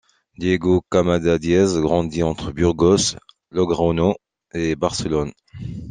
Diego Quemada-Díez grandit entre Burgos, Logroño et Barcelone.